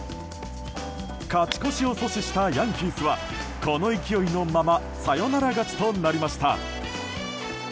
勝ち越しを阻止したヤンキースはこの勢いのままサヨナラ勝ちとなりました。